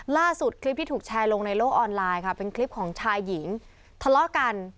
ล่าสุดคลิปที่ถูกแชร์ลงในโลกออนไลน์ค่ะเป็นคลิปของชายหญิงทะเลาะกัน